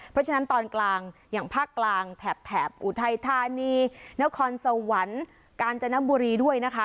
เพราะฉะนั้นตอนกลางอย่างภาคกลางแถบอุทัยธานีนครสวรรค์กาญจนบุรีด้วยนะคะ